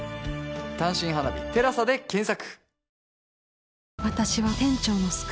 「単身花日テラサ」で検索